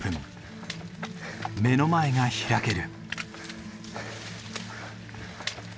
目の前が開ける。